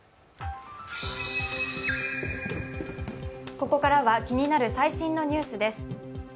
ここからは気になる最新のニュースです。